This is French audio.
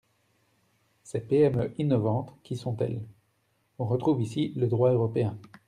Ces PME innovantes, qui sont-elles ? On retrouve ici le droit européen.